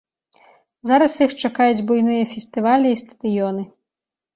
Зараз іх чакаюць буйныя фестывалі і стадыёны.